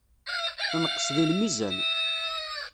Tenqes deg lmizan.